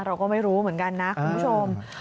เราก็ไม่รู้เหมือนกันนะคุณผู้ชม